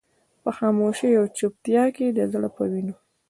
په خاموشۍ او چوپتيا کې د زړه په وينو.